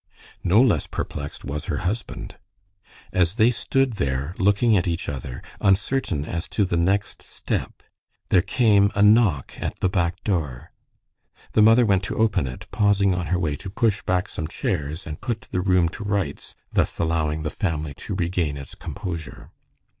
No less perplexed was her husband. As they stood there looking at each other, uncertain as to the next step, there came a knock at the back door. The mother went to open it, pausing on her way to push back some chairs and put the room to rights, thus allowing the family to regain its composure.